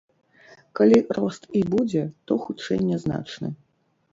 Калі рост і будзе, то, хутчэй, нязначны.